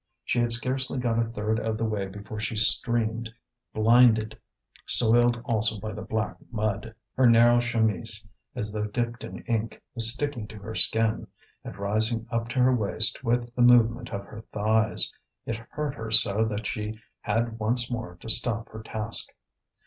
She had scarcely got a third of the way before she streamed, blinded, soiled also by the black mud. Her narrow chemise, as though dipped in ink, was sticking to her skin, and rising up to her waist with the movement of her thighs; it hurt her so that she had once more to stop her task.